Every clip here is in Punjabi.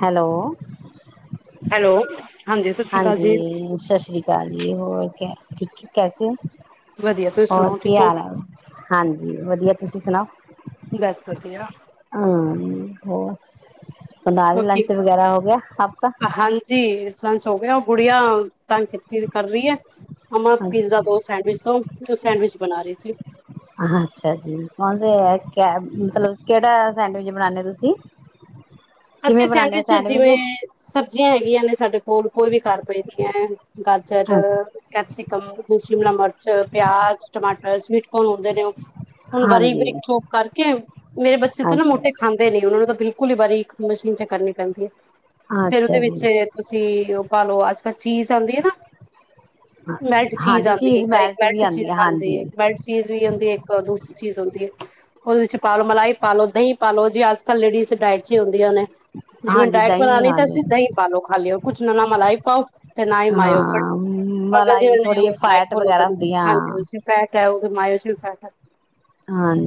ਹੈਲੋ ਹੈਲੋ ਹਾਂਜੀ ਸਤਿ ਸ਼੍ਰੀ ਅਕਾਲ ਹਾਂਜੀ, ਜੀ ਸਸ਼ ਸ੍ਰੀ ਅਕਾਲ ਜੀ ਹੋਰ ਕ ਠੀਕ ਐ ਕੈਸੇ? ਵਧੀਆ ਤੁਸੀਂ ਹੋਰ ਸੁਣਾਓ ਠੀਕ ਕੀ ਹੋ ਹਾਲ ਏ? ਹਾਂਜੀ ਵਧੀਆ ਤੁਸੀਂ ਸੁਨਾਔ। ਬਸ ਵਧੀਆ ਆਂ ਹੋ। ਬਨਾਲੀ, ਬਾਕੀ ਲੰਚ ਵਗੈਰਾ ਹੋ ਗਿਆ ਆਪਕਾ? ਹਾਂਜੀ ਲੰਚ ਹੌ ਗਿਆ, ਔ ਗੁੜੀਆ ਤਾਂਗ ਕੀਤੀ ਦੀ ਕਰ ਰਈਐ। ਮਂਮਾ ਪੀਜ਼ਾ ਅੱਛਾ ਦੋ, ਸੈਂਡਵਿਚ ਦੋ, ਔ ਸੈਂਡਵਿਚ। ਬਨਾ ਰਈ ਸੀ। ਅੱਛਾ ਜੀ [unintelligible] ਮਤਲਬ ਕਿਹੜਾ ਸੈਂਡਵਿਚ ਬਨਾਦੇ ਤੁਸੀਂ? ਅਸੀਂ ਕਿਵੇਂ ਬਣਾਉਂਦੇ ਹੋ ਸੈਂਡਵਿਚ ਜਿਵੇਂ, ਸਬਜੀਆਂ ਹੈਗੀਆਂ ਨੇ ਸਾਡੇ ਕੋ ਹੋਰ ਕੋਈ ਵੀ ਘਰ ਪਏਦੀਐਂ ਗਾਜਰ, ਕੈਪਸਿਕਮ, ਦੌ ਸ਼ਿਮਲਾ ਮਰ ਪਿਆਜ, ਟਮਾਟਰ, ਸਵੀਟ ਕੌਰਨ ਹੌਂਦੇ ਨੇ ਔ ਹੁਨ ਹਾਂਜੀ ਬਾਰੀਕ-ਬਾਰੀਕ ਚੋਕ ਕਰਕੇ, ਮੇਰੇ ਬੱਚੇ ਤੇ ਨਾ ਅੱਛਾ ਮੋਟੇ ਖਾਂਦੇ ਨੀ ਉਹਨਾ ਨੂੰ ਤਾਂ ਬਿਲਕੁ ਕੁਲੀ ਬਾਰੀਕ ਮਸ਼ੀਨ ਚ ਕਰਨੀ ਪੈਂਦੀ ਏ। ਫੇਰ ਅੱਛਾ ਉਦੇ ਵਿੱਚ ਜੀ ਤੁਸੀ ਔ। ਪਾ ਲਓ ਅੱਜ ਕੱਲ੍ਹ ਚੀਜ਼ ਆਂਦੀ ਐ ਨਾ ਮੈਲਟ ਚੀਜ਼ ਹਾਂਜੀ ਆਂਦੀ ਇੱਕ ਮੈਲਟ ਵੀ ਮਿਲਟ ਆਉਂਦੀ ਚੀਜ਼ ਹੈ ਹਾਂਜੀ ਇੱਕ ਮਿਲਟ ਚੀਜ਼ ਵੀ ਆਂਦੀ ਇੱਕ ਦੂਸਰੀ ਚੀਜ਼ ਹੁੰਦੀ ਏ ਉਹਦੇ ਵਿੱਚ ਪਾਲੋ ਮਲਾਈ ਪਾਲੋ ਦਂਈ ਪਾਲੋ ਜੇ ਅੱਜ ਕੱਲ ਲੇਡੀਜ਼ ਡਾਇਟ ਚ ਹੀ ਹੁੰਦ ਵਧੀਆ ਨੇੇ ਜਿਵੇਂ ਹਾਂਜੀ ਡਾਇਟ ਦਹੀਂ ਬਨਾਨੀ ਤਾਂ ਹਾਂਜੀ ਤੁਸੀਂ ਦਹੀਂ ਪਾਲੋ ਖਾਲੀ ਊ ਕੁਛ ਨਾ ਨਾ ਮਲਾਈ ਪਾਔ ਤੇ ਨਾ ਈ ਮਾਯੋ ਪਾਨ ਹਾਂ ਹੁਨ ਤੁਸੀਂ ਮਲਾਈ ਜਿਵੇਂ ਥੋੜ੍ਹੀ ਔ ਡਾਈਟ ਫੈਟ ਫੋਲੌ ਵਗੈਰਾ ਕਰਦੇ, ਹੁੰਦੀ ਆ ਹਾਂਜੀ ਫੈਟ ਐ ਓ ਮਾਯੌ ਵਿਚ ਵੀ ਫੈਟ ਹੈਗ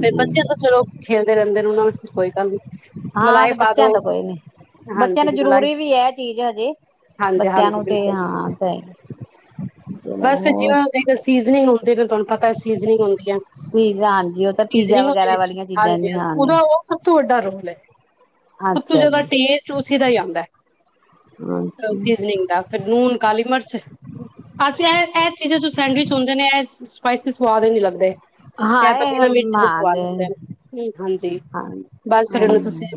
ਫੇਰ ਬੱਚੇ ਤਾਂ ਚਲੋ ਖੇਲਦੇ ਰੇਂਦੇ [unintelligible] ਕੋਈ ਗੱਲ ਨੀ ਹਾਂ ਮਲਾਈ ਤੇ ਬ ਪਾ ਬੱਚਿਆਂ ਦੋ ਦਾ ਕੋਈ ਨੀ ਬੱਚਿਆਂ ਹਾਂਜੀ ਨੂੰ ਮਲਾਈ ਜਰੂਰੀ ਵੀ ਐ ਚੀਜਚ ਹਜੇ ਹਾਂਜੀ ਬੱਚਿਆਂ ਹਾਂਜੀ ਨੂੰ ਤੇ ਬਿਲਕੁਲ ਹਾਂ ਕੌਈ ਨੀ, ਚਲੋ ਹੋਰ ਨੀ ਹੁੰਦੇ ਨੇ ਤੁਹਾਨੂੰ ਪਤਾ ਐ ਸੀਜ਼ਨਿੰਗ ਹੁੰਦ ਸੀਜ਼ ਹਾਂਜੀ ਉਹ ਤਾਂ ਪੀਜ਼ਾ ਉਹਦੇ ਵਗੈਰਾ ਵਿੱਚ ਵਾਲੀਆਂ ਚੀਜ਼ਾਂ ਨੇ, ਹਾਂਜੀ ਉਹਦਾ ਉਹ ਸਭ [unintelligible] ਸਭ ਤੋਂ ਜ਼ਿਆਦਾ ਟੇਸਟ ਉਸੀ ਦਾ ਈ ਆਂਦੈ, ਅ ਅੱਛਾ ਸੀਜ਼ਨਿੰਗ ਦਾ ਫੇਰ ਨੂਨ ਕਾਲੀ ਮਰਚ ਅਛਾ ਐ ਐ ਚੀਜ਼ਾਂ ਜੋ ਸੈਂਡਵਿਚ ਹੁੰਦੇ ਨੇ ਐ ਸਪਾਈਸੀ ਸਵਾਦ ਈ ਨੀ ਲੱਗਦੇ ਹਾਂ ਇਹ ਤਾਂ ਇਹ ਬਿਨਾਂ ਮਿਰਚ ਦੇ ਹਾਂ ਸਵਾਦ ਲੱਗਦੇ ਹਾਂਜੀ ਹਾਂ ਬਸ ਫਿਰ ਉਹਨੂੰ ਤੁਸੀਂ ਹਾਂਜੀ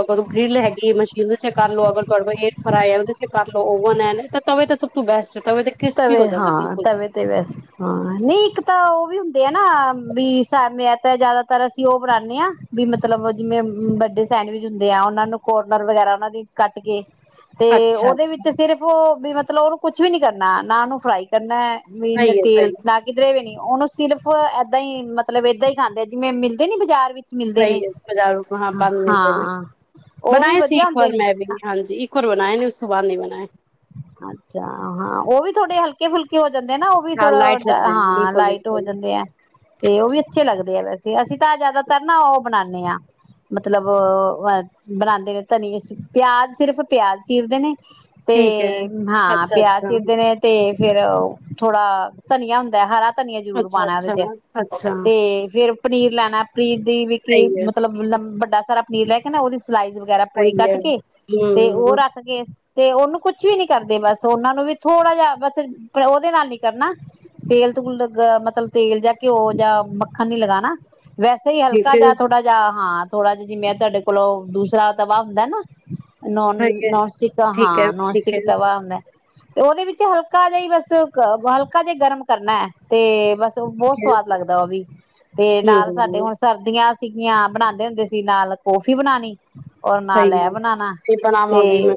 ਅਗਰ ਗ੍ਰਿੱਲ ਹੈਗੀ ਹੈ ਮਸ਼ੀਨ ਚ ਕਰ ਲਓ, ਅਗਰ ਤੁਹਾਡੇ ਕੋਲ ਏਅਰ ਫਰਾਈ ਹੈ ਉਹਦੇ ਚ ਕਰ ਲਓ, ਓਵਨ ਹੈ, ਤੇ ਤਵੇ ਤੇ ਏ ਤਾਂ ਸਭ ਤੋਂ ਬੈਸਟ ਤਵੇ ਤੇ ਕ੍ਰਿਸਪੀ ਹੋ ਤਵੇ ਜਾਂਦਾ ਹਾਂ ਬਿਲਕੁਲ ਤਵੇ ਤੇ ਵੈਸੇ ਹਾਂ, ਨਹੀਂ ਇੱਕ ਤਾਂ ਉਹ ਵੀ ਹੁੰ ਯੇ ਹੈ ਨਾ ਭੀ ਸਾਮਨੇ ਹੈ ਤੇ ਜ਼ਿਆਦਾਤਰ ਅਸੀਂ ਉਹ ਬਣਾਉਦੇ ਹਾਂ ਵੀ ਮਤਲਬ ਜਿਵੇਂ ਵੱਡੇ ਸੈਂਡਵਿਚ ਹੁੰਦੇ ਆ ਉਹਨਾਂ ਨੂੰ ਕੋਰਨਰ ਵਗੈਰਾ ਉਹਨਾਂ ਦੀ ਕੱਟ ਕੇ ਤੇ ਅੱਛਾ ਉਹਦੇ ਵਿੱਚ ਅੱਛਾ ਤੇ ਸਿਰਫ ਭੀ ਮਤਲਬ ਉਹਨੂੰ ਕੁੱ ਵੀ ਨੀ ਕਰਦਾ ਨਾ, ਨਾ ਉਹਨੂੰ ਫਰਾਈ ਕਰਨਾ ਮੈਂ ਇਨਾ ਸਹੀ ਹੈ ਸਹੀ ਤੇਲ ਲਗ ਕਿਧਰੇ ਵੀ ਨਹੀ ਉਹਨੂੰ ਸਿਰਫ ਏਦਾਂ ਹੀ ਮਤਲਬ ਏਦਾਂ ਹੀ ਖਾਂਦੇ ਆ ਜਿਵੇਂ ਮਿਲਦੇ ਨੀ ਬਾਜ਼ਾਰ ਵਿੱਚ ਮਿਲਦੇ ਸਹੀ ਨੇ ਹੈ ਬਜ਼ਾਰੂ ਹਾਂ ਬੰਦ ਮਿਲਦੇ ਨੇ ਹਾਂ ਉਹ ਵੀ ਬਣਾਏ ਸੀ ਵਧੀਆ ਇੱਕ ਵਾਰ ਹੁੰਦੇ ਮੈਂ ਵੀ ਹਾਂਜੀ ਇਕ ਵਾਰ ਬਣਾਏ ਨ ਨੇ, ਉਸ ਤੋਂ ਬਾਅ ਨਹੀ ਬਣਾਏ ਅੱਛਾ ਹਾਂ ਉਹ ਵੀ ਥੋੜੇ ਹਲਕੇ ਫੁਲਕੇ ਹੋ ਜਾਂਦੇ ਨਾ ਉਹ ਵੀ ਹਾਂ ਥੋੜਾ ਲਾਈਟ ਰੱਖਦੇ ਨੇ ਹਾਂ ਬਿਲਕੁਲ ਲਾਈਟ ਹੋ ਬਿਲਕੁਲ ਜਾਂਦੇ ਆ ਤੇ ਉਹ ਵੀ ਅੱਛੇ ਲੱਗਦੇ ਆ ਵੈਸੇ ਤੇ ਅਸੀਂ ਤਾਂ ਜ਼ਿਆਦਾਤਰ ਨਾ ਉਹ ਬਣਾਉਦੇ ਹਾਂ ਮਤਲਬ ਅ ਬਣਾਉਂਦੇ ਨੇ ਧਨੀਏ ਪਿਆਜ ਸਿਰਫ ਪਿਆਜ ਚੀਰਦੇ ਨੇ ਤੇ ਠੀਕ ਹੈ ਹਾਂ ਅੱਛਾ ਪਿਆਜ ਅੱਛਾ ਚੀਰਦੇ ਨੇ ਤੇ ਫੇਰ ਥੋੜਾ ਧਨੀਆ ਹੁੰਦਾ ਹਰਾ ਧਨੀਆ ਜ਼ਰੂਰ ਅੱਛਾ ਪਾਉਣਾ ਉਹਦੇ ਅੱਛਾ ਚ ਅੱਛਾ ਤੇ ਫੇਰ ਪਨੀਰ ਲੈਣਾ ਪਨੀਰ ਦੀ ਵਿਖ ਸਹੀ ਹੈ ਮਤਲਬ ਵੱਡਾ ਸਾਰਾ ਨੀਲ ਐਕ ਨਾ ਉਹਦੀ ਸਲਾਈਜ਼ ਵਗੈਰਾ ਪੂਰੀ ਸਹੀ ਹੈ ਕੱਟ ਕੇ ਤੇ ਉਹ ਹਮ ਰੱਖ ਕੇ ਤੇ ਉਹਨੂੰ ਕੁਛ ਵੀ ਨੀ ਕਰਦੇ ਬਸ ਉਹਨਾ ਨੂੰ ਵੀ ਥੋੜ੍ਹਾ ਜਿਹਾ ਬਸ ਉਹਦੇ ਨਾਲ ਹੀ ਕਰਨਾ ਤੇਲ ਤੂਲ ਮਤਲਬ ਤੇਲ ਜਾਂ ਘਿਓ ਜਾਂ ਮੱਖਣ ਨੀ ਲਗਾਣਾ ਵੈਸੇ ਹੀ ਠੀਕ ਹਲਕਾ ਹੈ ਜਿਹਾ ਥੋੜਾ ਜਿਹਾ ਹਾਂ ਥੋੜਾ ਜਿਹਾ ਜਿਵੇਂ ਤੁਹਾਡੇ ਕੋਲੋਂ ਦੂਸਰਾ ਤਵਾ ਹੁੰਦਾ ਨਾ ਸਹੀ ਹੈ ਨੋਨ ਸਟਿੱਕ ਠੀਕ ਹੈ ਹਾਂ ਨੋਨ ਠੀਕ ਸਟਿੱਕ ਹੈ ਇੱਕ ਤਵਾ ਆਂਦਾ ਏ ਤੇ ਉਹਦੇ ਵਿੱਚ ਹਲਕਾ ਜਿਹਾ ਹੀ ਬਸ ਹਲਕਾ ਜਿਹਾ ਗਰਮ ਕਰਨਾ ਹੈ ਤੇ ਬਸ ਬਹੁਤ ਠੀਕ ਹੈ ਸਵਾਦ ਲੱਗਦਾ ਉਹ ਵੀ ਤੇ ਨਾਲ ਸਾਡੇ ਹਮ ਹੁਣ ਸਰਦੀਆਂ ਸੀਗੀਆਂ ਬਨਾਂਦੇ ਹੁੰਦੇ ਸੀ ਨਾਲ ਕੋਫੀ ਬਨਾਨੀ। ਸਈ ਹੈ ਫਿਰ ਤੇ ਬਣਾਵਾਂਗੀ ਮੈਂ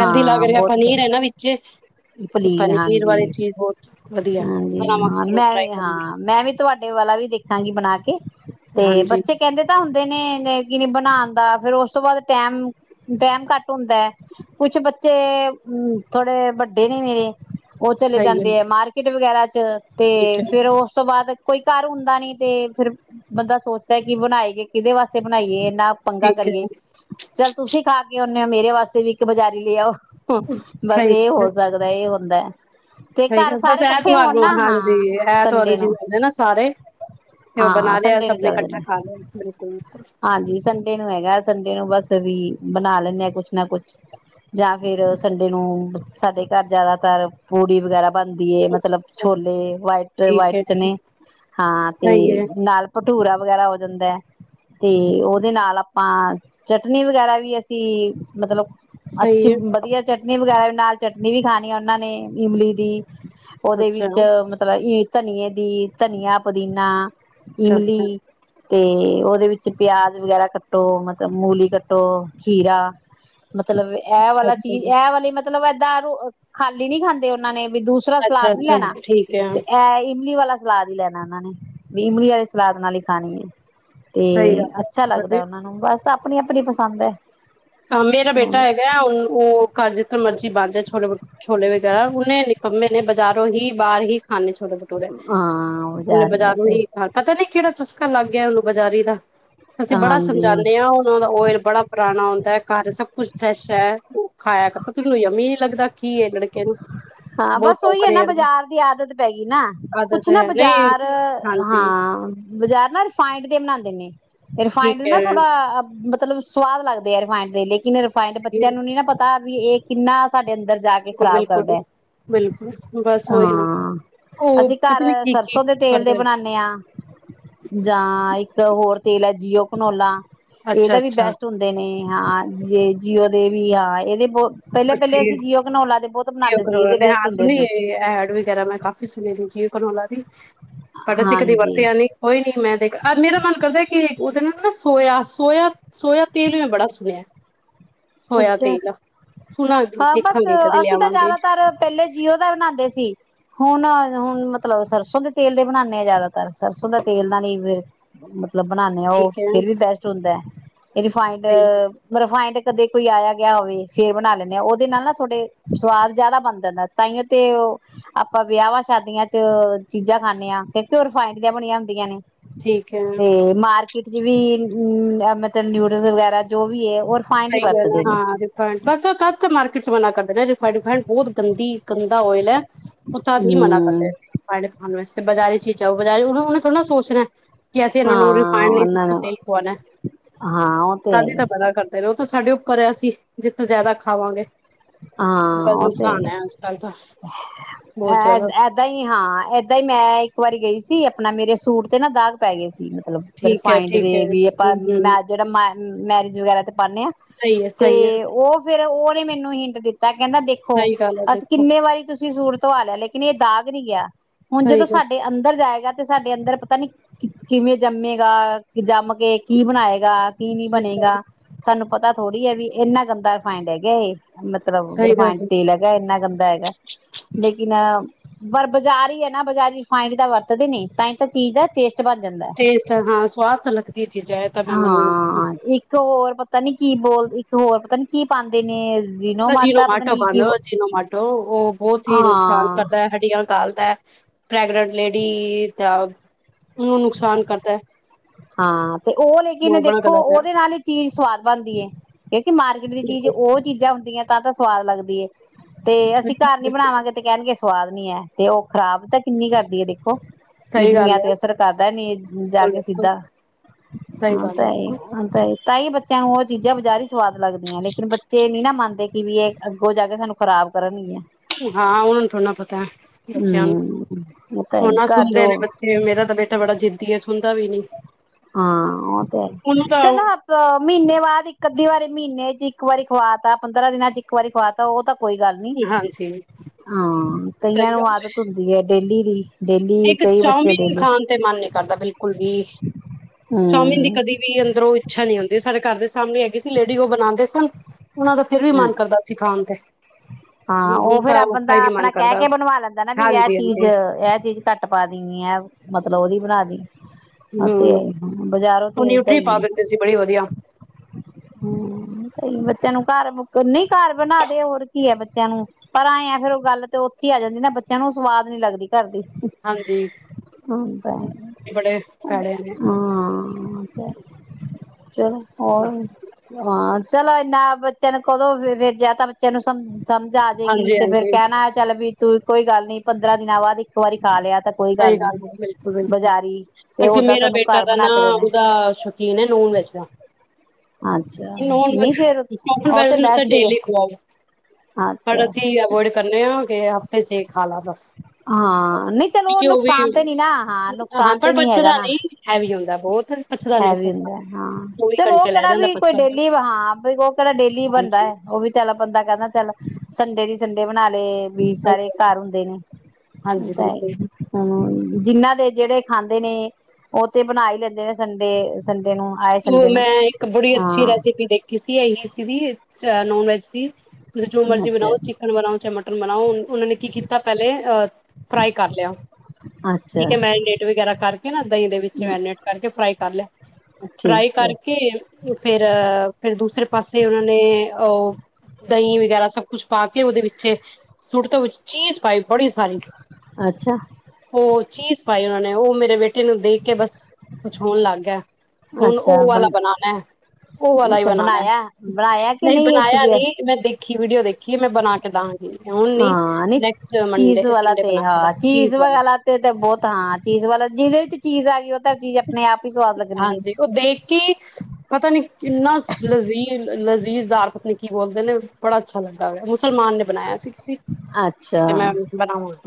ਹੈਲਦੀ ਲੱਗ ਰਿਹਾ ਬਹੁਤ ਪਨੀਰ ਹੈ ਨਾ, ਵਿੱਚ [unintelligible] ਤੇ ਪਨੀਰ ਵਾਲੀ ਹਾਂਜੀ- ਚੀਜ਼ ਬਹੁਤ ਵਧੀਆ ਹਾਂਜੀ ਬਣਾਵਾਂਗੇ ਹਾਂ ਚਲੋ ਮੈਂ ਟਰਾਈ ਵੀ ਕਰਾਂਗੇ ਹਾਂ ਮੈਂ ਵੀ ਤੁਆਡੇ ਵਾਲਾ ਵੀ ਦੇਖਾਂਗੀ ਬਣਾ ਕੇ ਤੇ ਹਾਂਜੀ ਬੱਚੇ ਕਹਿੰਦੇ ਤਾਂ ਹੁੰ ਨੇ ਕੀ ਬਣਾਉਣ ਦਾ ਫੇਰ ਉਸ ਤੋਂ ਬਾਅਦ ਟੈਮ- ਟੈਮ ਘੱਟ ਹੁੰਦਾ ਹੈ ਕੁਛ ਬੱਚੇ ਮ ਥੋੜੇ ਵੱਡੇ ਦੇਰ ਨੀ ਮੇਰੇਅਆ ਔ ਚਲੇ ਸਹੀ ਹੈ ਜਾਂਦੇ ਆ ਮਾਰਕੀਟ। ਵਗੈਰਾ ਚ ਤੇ ਠੀਕ ਹੈ ਫੇਰ ਔਸ ਤੋਂ ਬਾਅਦ ਕੋਈ ਘਰ ਹੁੰਦਾ ਨੀ ਤੇ ਫੇਰ, ਬੰਦਾ ਸੋਚਦੇ ਕਿ ਬਣਾਏ ਕੀ ਕਿਹਦੇ ਵਾਸਤੇ ਬਣਾਈਏ ਨਾ ਪੰਗਾ ਠੀਕ ਹੈ ਕਰੀਏ ਚੱਲ ਤੁਸੀਂ ਖਾ ਕੇ ਔ ਨ ਮੇਰੇ ਵਾਸਤੇ ਵੀ ਇੱਕ ਬਜ਼ਾਰੀ ਲਿਆਓ। ਹ ਬਸ ਸਹੀ ਐ ਹੋਸ ਲੱਗਦਾ ਇ ਹੁੰਦਾਐ। ਤੇ ਸਹੀ ਘਰ ਬਸ ਸਾਰੇ ਇਹ ਕੱਠੇ ਹੋਨ ਤੁਹਾਨੂੰ ਨਾ ਹਾਂਜੀ ਹਾਂ। ਇਹ ਤੁਹਾਡੇ ਸੰਡੇ ਜੀ ਨੂੰ, ਹੁੰਦੇ ਨਾ ਸਾਰੇ ਤੇ ਉਹ ਹਾਂ! ਬਣਾ ਲਿਆ ਸੰਡੇ ਨੂੰ ਸਭ ਨੇ ਚੱਲ ਜਾਂਦੇ। ਇਕੱਠਾ ਖਾ ਲਿਆ ਬਿਲਕੁਲ ਬਿਲਕੁਲ ਹਾਂਜੀ ਸੰਡੇ ਨੂੰ ਹੈਗਾ ਸੰਡੇ ਨੂੰ ਬਸ ਵੀ ਬਾਨ ਲੈਂਨੇ ਆਂ ਕੁਛ ਨਾ ਕੁਛ ਜਾਂ ਫੇਰ ਸੰਡੇ ਨੂੰ। ਸਾਡੇ ਘਰ ਜਾਦਾਤਰ ਪੂੜੀ ਵਗੈਰਾ ਬਨਦੀ ਏ ਅੱਛਾ ਮਤਲਬ ਅੱਛਾ ਛੋਲੇ ਵਾਈਟ ਠੀਕ ਵਾਈਟ ਹੈ ਚਨੇ ਹਾਂ ਤੇ ਸਹੀ ਹੈ ਨਾਲ ਭ ਭਠੂਰਾ ਵਗੈਰਾ ਹੋ ਜਾਂਦੈ। ਤੇ ਔਦੇ ਅੱਛਾ ਨਾਲ ਆਪਾਂ ਚਟਨੀ ਵਗੈਰਾ ਵੀ ਅਸੀ ਮਤਲਬ ਅੱਛੀ ਸਹੀ ਹੈ ਵਧੀਆ ਚਟਨੀ ਵਗੈਰਾ ਨਾਲ ਚਟਨੀ ਵੀ ਖਾਨੀ ਔਨਾਂ ਨੇ ਇਮਲੀ ਦੀ ਔਦੇ ਅੱਛਾ ਵਿੱਚ ਮਤਲਬ ਈ ਧਨੀਏ ਦੀ ਧਨੀਆ ਪੁਦੀਨਾ ਅੱਛਾ ਇਮਲੀ ਅੱਛਾ ਤੇ ਔਦੇ ਵਿੱਚ ਪਿਆਜ਼ ਵਗੈਰਾ ਕੱਟੋ ਮਤਲਬ ਮੂਲੀ ਕੱਟੋ ਖੀਰਾ ਮਤਲਬ ਐ ਅੱਛਾ ਵਾਲਾ ਅੱਛਾ ਚੀਜ਼ ਐ ਵਾਲੀ ਮਤ [unintelligible] [unintelligible] ਖਾਲੀ ਨੀ ਖਾਂਦੇ ਔਨਾਂ ਨੇ ਵੀ ਦੂਸਰਾ ਅੱਛਾ ਸਲਾਦ ਨੀ ਅੱਛਾ ਲੈਨਾ ਠੀਕ ਹੈ ਤੇ ਐ ਇਮਲੀ ਵਾਲਾ ਸ ਸਲਾਦ ਹੀ ਲੈਣਾ ਉਹਨਾਂ ਨੇ ਵੀ ਇਮਲੀ ਵਾਲੀ ਸਲਾਦ ਨਾਲ ਹੀ ਖਾਣੀ ਹੈ ਤੇ ਸਹੀ ਅੱਛਾ ਗੱਲ ਲੱਗਦਾ ਹੈ ਉਹਨਾਂ ਨੂੰ ਬਸ ਆਪਣੀ ਆਪਣੀ ਪਸੰਦ ਹੈ ਹ ਮੇਰਾ ਬੇਟਾ ਹੈਗਾ ਹੁਣ ਉਹ ਘਰ ਜਿੱਥੇ ਮਰਜ਼ੀ ਬੰਦ ਛੋਲੇ ਵਗੈਰਾ ਉਹਨੇ ਨਿਕੰਮੇ ਨੇ ਬਾਜ਼ਾਰੋਂ ਹੀ ਬਾਹਰ ਹੀ ਖਾਨੇ ਚ ਛੋਟ ਭਟੂਰੇ ਹਾਂ ਨ ਬਜ਼ਾਰੀ ਬਾਜ਼ਾਰੋਂ ਤੇ ਹੀ ਪਤਾ ਨੀ ਕਿਹੜਾ ਚਸਕਾ ਲੱਗ ਗਿਆ ਨੂੰ ਬਾਜ਼ਾਰੀ ਦਾ ਅਸੀਂ ਬੜਾ ਹਾਂਜੀ ਸਮਝਾਂਦੇ ਹਾਂ ਉਹਨਾਂ ਦਾ ਓਇਲ ਬੜਾ ਪੁਰਾਣਾ ਹਦਾ ਘਰ ਸਭ ਕੁੱਛ ਫਰੈਸ਼ ਹੈ ਖਾਇਆ ਤਾਂ ਤੁੈਨੂੰ ਯੰਮੀ ਨ ਲੱਗਦਾ ਕੀ ਇਹ ਲੜਕੇ ਨੂੰ ਹਾਂ ਬਹੁਤ ਬਸ ਟੋਕ ਉਹੀ ਹੈ ਰਹੇ ਨਾ ਆ ਬਜ਼ਾਰ ਦੀ ਆਦਤ ਪੈ ਗਈ ਨਾ ਆਦਤ ਕੁਛ ਨਾ ਹੈ ਨਹੀਂ ਬਾਜ਼ਾਰ ਹਾਂਜੀ ਹਾਂ ਬਾਜ਼ਾਰ ਨਾ ਰਿਫਾਇੰਡ ਦੇ ਬਣਾਉਦੇ ਨੇ ਰਿਫਾਇੰਡ ਠੀਕ ਨਾ ਹੈ ਥੋੜਾ ਮਤਲਬ ਸਵਾਦ ਲੱਗਦੇ ਆ ਰਿਫਾਇੰਡ ਦੇ ਲੇਕਿਨ ਫਾਇੰਡ ਬੱਚਿਆਂ ਨੂੰ ਨੀ ਨਾ ਪਤਾ ਵੀ ਇਹ ਕਿੰਨਾ ਸਾਡੇ ਅੰਦਰ ਜਾ ਬਿਲਕੁਲ ਖ਼ਰਾਬ ਬਿਲਕੁਲ ਕਰਦਾ ਬਿਲਕੁਲ ਬਸ ਉਹੀ ਨਾ ਹਾਂ ਉਹ ਅਸੀਂ ਘਰ ਪਤਾ ਨੀ ਕੀ ਕੀ ਸਰਸੋਂ ਦੇ ਤੇਲ ਦੇ ਕਰਦੇ ਬਣਾਦੇ ਹਾਂ ਜਾਂ ਇੱਕ ਹੋਰ ਤੇਲ ਹੈ ਜੀਓ ਕੰਨੋਲਾ ਅੱਛਾ ਇਹਦਾ ਵੀ ਅੱਛਾ ਬੈਸਟ ਹੁੰਦੇ ਨੇ ਹਾਂ ਜ ਜੀਓ ਦੇ ਵੀ ਹਾਂ ਇਹਦੇ ਬਹੁ ਪਹਿਲੇ ਪਹਿਲੇ ਅਸੀਂ ਜੀਓ ਕਨੋਲਾ ਦੇ ਬਹੁਤ ਜਓ ਬਣਾਉਂਦੇ ਸੀ ਕਰੋ ਇਹਦੇ ਨੇ ਬੈਸਟ ਹਾਂ ਹੁੰਦੇ ਸੁਣੀ ਸੀ ਐਡ ਵਗੈਰਾ ਮੈਂ ਕਾਫ਼ੀ ਸੁਣੀ ਤ ਜੀਓ ਕਰੋ ਲਾ ਦੀ ਤੁਹਾਡਾ ਤੱਕ ਦੀ ਹਾਂਜੀ ਵਰਤਿਆ ਨਹੀਂ ਕੋਈ ਨਹੀਂ ਮੈਂ ਦੇਖ ਉਹਦੇ ਨਾਲ ਨਾ ਨਾ ਸੋਇਆ ਸੋਇਆ ਸੋਇਆ ਤੇਲ ਮੈਂ ਬੜਾ ਸੁਣਿਆ ਸੋਇਆ ਅੱਛਾ ਤੇਲ ਸੁਣਾਂਗੇ ਹਾਂ ਬਸ ਦੇਖਾਂਗੇ ਕਦੇ ਅਸੀਂ ਤਾਂ ਲਿਆਵਾਂਗੇ ਜ਼ਿਆਦਾਤਰ ਪਹਿਲੇ ਜੀਓ ਦਾ ਬਣਾਉਦੇ ਸੀ ਹੁਣ ਮਤਲਬ ਸਰਸੋਂ ਦੇ ਤੇਲ ਦੇ ਬਣਾਉਂਦੇ ਆ ਜ਼ਿਆਦਾ ਪਰ ਸਰਸੋਂ ਦਾ ਤੇਲ ਦਾ ਨਹੀਂ ਫਿਰ ਹ ਮਤਲਬ ਬਣਾਦੇ ਆ ਉਹ ਠੀਕ ਹੈ ਫਿਰ ਵੀ ਬੈਸਟ ਹੁੰਦਾ ਰਿਫਾਈੰਡ ਸਹੀ ਰਿਫਾਈੰਡ ਕਦੇ ਕੋਈ ਆਇਆ ਗਿਆ ਹੋਵੇ ਫੇਰ ਬਣਾ ਲੈਂਦੇ ਹਾਂ ਉਹਦੇ ਨਾਲ ਨਾ ਥੋਡੇ ਸਵਾਦ ਜ਼ਿਆਦਾ ਬਣਦੇਦਾ ਤਾਂਾਓ ਤੇ ਉਹ ਆਪਾਂ ਵਿਆਹਾਂ ਸ਼ਾਦੀਆਂ ਚ ਚੀਜ਼ਾਂ ਖਾਂਦੇ ਹਾਂ ਕਿਉਂਕਿ ਉਹ ਰਿਫਾਇੰਡ ਦੀਆਂ ਬਣੀਆਂ ਹੁੰਦੀਆਂ ਨੇ ਠੀਕ ਹੈ ਜਿਵੇੰ ਮਤਲਬ ਨਿਊਡਲਸ ਵਗੈਰਾ ਜੋ ਵੀ ਹੈ ਉਹ ਰਿਫਾਇੰਡ ਸਹੀ ਹੀ ਗ ਵਰਤਦੇ ਨੇ ਹਾਂ ਰਿਫਡ ਬਸ ਤ ਮ ਚ ਉਹ ਤਦ ਹੀ ਮਨਾ ਕਰਦਾ ਹਮ ਹੈ ਖ ਵਾਸਤੇ ਬਾਜ਼ਾਰੀ ਚੀਜ਼ਾਂ ਉਹ ਬਾਰੇ ਉਹਨ ਉਹਨੇ ਥੜਾ ਨਾ ਸੋਚਣਾ ਕਿ ਅਸੀਂ ਇਹਨਾਂ ਨੂੰ ਹਾਂ ਰਿਫਾਇੰਡ ਲਈ ਉਹਨਾਂ ਸ ਨੂੰ ਤੇਲ ਪਾਵਾਉਣਾ ਹਾਂ ਉਹ ਤੇ ਹੈ ਤਦੇ ਤਾਂ ਹੀ ਬਤਾ ਕਰਨਾ ਫ ਉਹ ਤਾਂ ਸਾਡੇ ਉੱਪਰ ਹੈ ਅਸੀਂ ਜਿੱਤੋਂ ਜ਼ਿਆਦਾ ਖਾਵਾਂਗੇ ਹਾਂ ਬਸ ਉਹ ਤੇ ਨੁਕਸਾਨ ਹੈ ਅੱਜ ਕੱਲ੍ਹ ਤਾਂ ਬਹੁਤ ਜ਼ਿਆਦਾ ਏਦਾਂ ਹੀ ਹਾਂ ਏਦਾਂ ਹੀ ਮੈਂ ਇੱਕ ਵਾਰੀ ਗਈ ਸੀ ਸੀ ਆਪਣਾ ਮੇਰੇ ਸੂਟ ਤੇ ਨਾ ਦਾਗ ਪੈ ਗਏ ਸੀ ਮਤਲਬ ਠੀਕ ਹੈ ਰਿਫਾਈਡ ਠੀਕ ਦੇ ਹੈ ਵੀ ਆਪਾਂ ਹਮ ਹਮ ਮੈਂ ਜਿਹੜਾ ਮ ਮੈ ਜੁਗ ਤੇ ਪਾਣੇ ਆ ਸਹੀ ਹੈ ਤੇ ਸਹੀ ਹੈ ਉਹ ਫੇਰ ਉਹ ਨੇ ਮੈਨੂੰ ਹੀ [inaudible] ਤਾਂ ਕਹਿੰਦਾ ਦੇਖੋ ਸਹੀ ਗੱਲ ਹੈ ਅਸੀਂ ਦੇਖੋ ਕਿੰਨੇ ਵਾਰੀ ਤੁਸੀਂ ਤੁਸੀ ਸੂਰ ਤੋਂਵਾ ਲਿਆ ਲੇਕਿਨ ਇਹ ਦਾਗ ਨਹੀਂ ਗਿਆ ਹੁਣ ਸਹੀ ਜਦੋਂ ਗੱਲ ਸਾਡੇ ਅੰਦਰ ਜਾਏ ਤੇ ਸਾਡੇ ਅੰਦਰ ਪਤਾ ਨੀ ਕਿਵੇਂ ਜੰਮੇਗਾ ਜੰਮ ਕੇ ਕੀ ਬਣਾਏ ਕੀ ਨੀ ਸਹੀ ਗੱਲ ਬਣੇਗਾ ਸਾਨੂੰ ਪਤਾ ਥੋੜ੍ਹੀ ਹੈ ਵੀ ਇੰਨਾ ਗੰਦਾ ਰਿਫਾਇੰਡ ਹੈ ਗਿਆ ਇਹ ਮਤਲਬ ਸਹੀ ਰਿਫਾਇੰਡ ਗੱਲ ਏ ਤੇਲ ਹੈਗਾ ਇੰਨਾ ਗੰਦਾ ਹੈਗਾ ਲੇਕਿਨ ਪਰ ਬਾਜ਼ਾਰ ਹੀ ਹੈ ਨਾ ਬਜ਼ਾਰੀ ਰਿਫਾਇੰਡ ਦਾ ਵਰਤਦੇ ਨ ਤਾਂ ਹੀ ਤਾਂ ਚੀਜ਼ ਦਾ ਟੇਸਟ ਬਣ ਜਾਂਦਾ ਹੈ। ਟੇਸਟ ਹਾਂ ਸਵਾਦ ਤਾਂ ਲੱਗਦੀ ਚੀਜ਼ਾਂ ਹੈ ਤਾਂ ਮੈਂ ਮੰਨੂੰ ਹਾਂ ਇੱਕ ਹੋਰ ਪਤਾ ਨੀ ਕੀ ਬੋਲ ਇੱਕ ਹੋਰ ਪਤਾ ਨੀ ਕੀ ਪਾਉਂਦੇ ਨੇ ਜੀਨੋ ਅਜੀਿਨੋ ਮਾਟਾ ਪਤਾ ਮਾਟੋ ਨੀ ਕੀ ਬੰਦ ਅ ਜਿਨੋ ਮਾਟੋ ਉਹ ਬਹੁਤ ਹੀ ਨੁਕਸਾਨ ਹਾਂ ਕਰਦਾ ਹੈ ਹੱਡੀਆਂ ਨਿਕਾਲਦਾ ਹੈ ਪ੍ਰੈਗਨੈਂਟ ਲੇਡੀ ਤਾਂ ਉਹਨੂੰ ਨੁਕਸਾਨ ਕਰਦਾ ਹੈ ਹਾਂ ਤੇ ਉਹ ਲੇਕਿਨ ਬੜਾ ਦੇਖੋ ਗਲਤ ਹੈ ਉਹਦੇ ਨਾਲ ਇਹ ਚੀਜ਼ ਸਵਾਦ ਬਣਦੀ ਹੈ ਕਿਉਂਕਿ ਮਾਰਕੀਟ ਦੀ ਚੀਜ਼ ਬਿਲਕੁਲ ਉਹ ਚੀਜ਼ਾਂ ਹੁੰਦੀਆਂ ਨੇ ਤਾਂ ਤਾਂ ਸਵਾਦ ਲੱਗਦੀ ਏ ਤੇ ਸਹੀ ਅਸੀਂ ਘਰ ਨੀ ਬਣਾਵਾਂਗੇ ਤੇ ਕਹਿਣਗੇ ਸਵਾਦ ਨੀ ਹੈ ਤੇ ਉਹ ਖ਼ਰਾਬ ਤਾਂ ਕਿੰਨੀ ਕਰਦੀ ਹੈ ਦੇਖੋ ਗੱਲ ਇਡਨੀਆਂ ਹੈ ਤੇ ਅਸਰ ਕਰਦਾ ਨੀ ਜਾ ਬਿਲਕੁਲ ਕੇ ਬਿਲਕੁਲ ਸਿੱਧਾ ਸਹੀ ਹਾਂ ਗੱਲ ਹੈ ਬਿਲਕੁਲ ਤਈ ਤਾਂ ਹੀ ਬੱਚਿਆਂ ਨੂੰ ਉਹ ਚੀਜ਼ਾਂ ਬਜ਼ਾਰੀ ਹੀ ਸਵਾਦ ਲੱਗਦੀਆਂ ਲੇਕਿਨ ਬੱਚੇ ਨੀ ਨਾ ਮੰਨਦੇ ਕਿ ਵੀ ਇਹ ਅੱਗੋਂ ਜਾ ਕੇ ਸਾਨੂੰ ਖਰਾਬ ਕਰਨ ਹੀ ਹਾਂ ਉਹ ਨੂੰ ਥੋੜਾ ਨਾ ਪਤਾ ਹੈ ਬੱਚਿਆਂ ਨੂੰ ਹਮ ਉਹ ਤਾਂ ਔ ਹੈ ਨਾ ਘਰ ਜੋ ਸੁਣਦੇ ਨੇ ਬੱਚੇ ਮੇਰਾ ਤਾਂ ਬੇਟਾ ਬੜਾ ਜਿੱਦੀ ਹੈ ਸੁਣ ਤਾਂ ਵੀ ਨੀ ਹਾਂ ਉਹ ਤੇ ਉਹਨੂੰ ਹੈ ਤਾਂ ਚੱਲੋ ਮਹੀਨੇ ਬਾਅਦ ਇੱਕ ਅਧੀ ਵਾਰੀ ਮਹੀਨੇ ਚ ਇੱਕ ਵਾਰੀ ਖਵਾ ਤਾ ਪੰਦਰਾਂ ਦਿਨਾਂ ਚ ਇੱਕ ਵਾਰੀ ਖਵਾ ਤਾ ਉਹ ਤਾਂ ਕੋਈ ਗੱਲ ਨੀ ਹਾਂਜੀ ਹਾਂ ਸਹੀ ਕਈਆਂ ਨੂੰ ਗੱਲ ਆਦਤ ਹੁੰਦੀ ਹੈ ਡੇਲੀ ਜੀ ਇੱਕ ਚਾਉਮੀਨ ਖਾਣ ਤੇ ਮਨ ਨ ਕਰਦਾ ਬਿਲਕੁਲ ਵੀ ਚਾਉਮੀਨ ਦੀ ਹਮ ਕਦੇ ਵੀ ਅੰਦਰੋਂ ਇੱਛਾ ਨੀ ਆਉਂਦੀ ਸਾਡੇ ਘਰ ਦੇ ਸਾਹਮਣੇ ਹੈਗੀ ਸੀ ਲੇਡੀ ਉਹ ਬਣਾਉਂਦੇ ਸਨ ਉਹਨਾਂ ਦਾ ਫਿਰ ਵੀ ਮਨ ਕਰਦਾ ਸੀ ਖਾਣ ਤੇ ਹਾਂ ਹੁਣ ਉਹ ਹੁਣ ਫਿਰ ਤਾਂ ਬੰਦਾ ਉਸਦਾ ਹੀ ਨੀ ਆਪਣਾ ਮਨ ਕਹਿ ਕਰਦਾ ਕੇ ਬਣਵਾ ਲੈਂਦਾ ਨਾ ਵੀ ਇਹ ਹਾਂਜੀ ਚੀਜ਼ ਹਾਂਜੀ ਇਹ ਚੀਜ਼ ਘੱਟ ਪਾ ਦੀਣੀ ਹੈ ਮਤਲਬ ਉਹਦੀ ਬਣਾ ਦੀ ਉਹ ਤੇ ਆ ਹਮ ਬਾਜ਼ਾਰੋਂ ਤੇ ਉਹ ਏਦਾਂ ਨਿਊਟਰੀ ਹੀ ਪਾ ਏ, ਦਿੰਦੇ ਸੀ ਬੜੀ ਵਧੀਆ ਹਮ ਬੱਚਿਆਂ ਨੂੰ ਘਰ ਨਹੀਂ ਘਰ ਬਣਾ ਦੇ ਹੋਰ ਕੀ ਹੈ ਬੱਚਿਆਂ ਨੂੰ ਪਰ ਆਏ ਆ ਫੇਰ ਉਹ ਗੱਲ ਤੇ ਉੱਥੇ ਆ ਜਾਂਦੀ ਨਾ ਬੱਚਿਆਂ ਨੂੰ ਸਵਾਦ ਨੀ ਲੱਗਦੀ ਕਰਦੀ ਹਾਂਜੀ ਔ ਤਾਂ ਹੈ ਬੜੇ ਫਾਇਦੇ ਨੇ ਹਾਂ ਤੇ ਚਲੋ ਹੋਰ ਸਲਾਦ ਚਲੋ ਏਨਾ ਬਤ ਬੱਚਿਆਂ ਨੂੰ ਕਦੋਂ ਫਿਰ ਵੇਖਿਆ ਤਾਂ ਬੱਚਿਆਂ ਸਮਝ ਸਮਝ ਆ ਜਾਏਗੀ ਹਾਂਜੀ ਤੇ ਫਿਰ ਹਾਂਜੀ ਕਹਿਣਾ ਚੱਲ ਵੀ ਤੂੰ ਕੋਈ ਗੱਲ ਨੀ ਪੰਦਰਾਂ ਦਿਨਾਂ ਬਾਅਦ ਇੱਕ ਵਾਰੀ ਖਾ ਲਿਆ ਤਾਂ ਕੋਈ ਸਹੀ ਨੀ ਗੱਲ ਬਿਲਕੁਲ ਬਿਲਕੁਲ ਬਜ਼ਾਰੀ ਤੇ ਅਜੀ ਓਦਾਂ ਮੇਰਾ ਤੁਹਾਨੂੰ ਬੇਟਾ ਘਰ ਦਾ ਨਾ ਬਣਾ ਕੇ ਦੇਣਾ ਉਹਦਾ ਸ਼ੌਕੀਨ ਹੈ ਨੂਨ ਨੋਨ ਵੇਜ ਦਾ ਅੱਛਾ ਪ੍ਰੋਪਰ ਨੋਨ ਨੀ ਫੇਰ ਉਹ ਵੇਜ ਤੇ ਔਨੂ ਚਾਹੇ ਬੈਸਟ ਹੀ ਹੈ ਡੇਲੀ ਖਵਾਓ, ਅੱਛਾ ਪਰ ਅਸੀ ਅਵੋਇਡ ਕਰਨੇ ਆਂ ਤੂ ਤੇ ਹਫ਼ਤੇ ਚ ਇਹ ਖਾ ਲੈ ਬਸ ਆਂ ਹਾਂ ਨਹੀ ਚਲੋ ਕਿਉਂਕਿ ਉਹ ਨੁਕਸਾਨ ਤੇ ਵੀ ਨੀ ਨਾ ਹਾਂ ਨੁਕਸਾਨ ਪਰ ਤੇ ਨੀ ਪੱਛਦਾ ਹੈਗਾ ਨਾ ਨੀ ਹੈਵੀ ਹੁੰਦਾ ਬਹੁਤ ਪੱਛਦਾ ਨੀ ਉਹ ਹੈਵੀ ਸੋਫਾ ਹੁੰਦਾ ਹਾਂ ਚੌਵੀ ਚਲੋ ਉਹ ਘੰਟੇ ਲੈ ਕਿਹੜਾ ਜਾਂਦਾ ਵੀ ਕੋਈ ਪੱਛਣ ਤੋਂ ਡੇਲੀ ਹਾਂ ਉਹ ਕਿਹੜਾ ਡੇਲੀ ਬਣਦਾ ਹਾਂਜੀ ਹੈ ਉਹ ਵੀ ਚੱਲ ਬੰਦਾ ਕਹਿੰਦਾ ਚੱਲ ਸੰਡੇ ਦੀ ਸੰਡੇ ਬਣਾ ਲਏ ਵੀ ਸਾਰੇ ਹਾਂਜੀ ਘਰ ਹੁੰਦੇ ਨੇ ਹਾਂਜੀ, ਤਾਂ ਬਿਲਕੁਲ ਹੁਣ ਜਿੰਨਾਂ ਦੇ ਜਿਹੜੇ ਖਾਂਦੇ ਨੇ ਉਹ ਤੇ ਬਣਾਈ ਲੈਂਦੇ ਨੇ ਸੰਡੇ ਸੰਡੇ ਨੂੰ ਆਏ ਉਹ ਸੰਡੇ ਨੂੰ ਮੈਂ ਇੱਕ ਬੜੀ ਅੱਛੀ ਹਾਂ ਰੈਸਿਪੀ ਦੇਖੀ ਸੀ ਇਹੀ ਸੀਦੀ ਨੋਨ ਵੈਜ ਦੀ ਤੁਸੀਂ ਜੋ ਮਰਜ਼ੀ ਅੱਛਾ ਬਣਾਓ ਚਿਕਨ ਬਣਾਓ ਚਾਹ ਮੱਟਣ ਮਨਾਉਣ ਉਹਨਾਂ ਨੇ ਕੀ ਕੀਤਾ ਪਹਿਲੇ ਅ ਫਰਾਈ ਕਰ ਲਿਆ ਅੱਛਾ ਠੀਕ ਹੈ ਮੈਰੀਨੇਟ ਵਗੈਰਾ ਕਰਕੇ ਨਾ ਦਹੀਂ ਦੇ ਵਿੱਚ ਮੈਰੀਨੇਟ ਕਰਕੇ ਫਰਾਈ ਕਰ ਲਿਆ ਫਰਾਈ ਠੀਕ ਹੈ ਕਰਕੇ ਫੇਰ ਫੇਰ ਦੂਸਰੇ ਪਾਸੇ ਉਹਨਾਂ ਨੇ ਉਹ ਦਹੀਂ ਵਗੈਰਾ ਸਭ ਕੁਛ ਪਾ ਕੇ ਉਹਦੇ ਵਿੱਚੇ ਸੁੱਟ ਤੋਂ ਚੀਜ਼ ਪਾਈ ਬੜੀ ਸਾਰੀ ਅੱਛਾ ਉਹ ਚੀਜ਼ ਪਾਈ ਉਹਨਾਂ ਨੇ ਉਹ ਮੇਰੇ ਬੇੇਟੇ ਇਨੂੰ ਦੇਖ ਕੇ ਬਸ ਕੁਛ ਹੋਣ ਲੱਗ ਗਿਆ ਹੁਣ ਉਹ ਅੱਛਾ ਵਾਲਾ ਬਣ ਬਣਾਉਣਾ ਉਹ ਵਾਲਾ ਹੀ ਅੱਛਾ ਬਣਾਉਣਾ ਬਣਾਇਆ ਬਣਾਇਆ ਕਿ ਨਹੀਂ ਬਣਾਇਆ ਤੁਸੀਂ ਨੀ ਮੈਂ ਦੇਖੀ ਵੀਡੀਓ ਦੇਖੀ ਐ, ਮੈਂ ਬਣਾ ਕੇ ਦਾਂਗੀ ਹੁਣ ਨੀ ਹਾਂ ਨਹੀਂ ਨੈਕਸਟ ਚੀਜ਼ ਮੰਡੇ ਵਾਲਾ ਸੰਡੇ ਤੇ ਬਣਾ ਕੇ ਹਾਂ ਚੀਜ਼ ਵਾਲ ਵਾਲੇ ਵਾਲਾ ਤੇ ਤੇ ਬਹੁਤ ਹਾਂ ਚੀਜ਼ ਵਾਲਾ ਜਿਹਦੇ ਵਿੱਚ ਚੀਜ਼ ਆ ਗਈ ਉਹ ਤਾਂ ਚੀਜ਼ ਆਪਣੇ ਆਪ ਹੀ ਸਵਾਦ ਲੱਗਣੀ ਹਾਂਜੀ ਉਹ ਦੇਖ ਕੇ ਪਤਾ ਨੀ ਕਿੰਨਾ ਲਜ਼ੀਜ਼ ਲ ਲੈਜ਼ੀਜ਼ਦਾਰ ਪਤਨੀ ਕੀ ਬੋਲਦੇ ਨੇ ਬੜਾ ਅੱਛਾ ਲੱਗਦਾ ਹੋਇਆ ਮੁਸਲਮਾਨ ਨੇ ਬਣਾਇਆ ਸੀ ਹੈ ਅੱਛਾ ਤੇ ਮੈਂ ਬਣਾਵਾਂ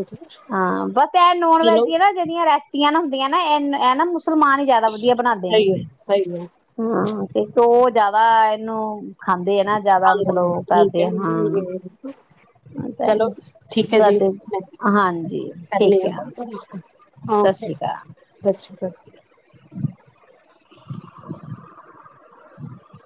ਹਾਂ ਬਸ ਇਹ ਨੋਨ ਵੈਜ ਦੀਆਂ ਨਾ ਜਿਹੜੀਆਂ ਰੈਸਪੀਆਂ ਹੁੰਦੀਆਂ ਨਾ ਇਹ ਐਨਾ ਮੁਸਲਮਾਨ ਹੀ ਜਿਆਦਾ ਵਧੀਆ ਬਣਾਉਂਦੇ ਨੇ ਸਹੀ ਹੈ ਸਹੀ ਹੈ ਹਾਂ ਤੇਕ ਜਿਆਦਾ ਇਹਨੂੰ ਖਾਂਦਾ ਦੇਣਾ ਜ਼ਿਆਦਾ ਮਤਲਬ ਉਹ ਠੀਕ ਕਰਦੇ ਹਾਂ ਹੈ ਚਲੋ ਠੀਕ ਤੇ ਹੈ ਜੀ ਸਾਡੇ ਹਾਂਜੀ ਕਰਨੀ ਠੀਕ ਆ ਹੈ ਸਤਿ ਸ਼੍ਰੀ ਅਕਾਲ ਅਕਾਲ। ਸਤਿ ਸ਼੍ਰੀ ਅਕਾਲ